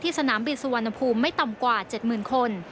ที่สนามบินสุวรรณภูมิไม่ต่ำกว่า๗หมื่นคน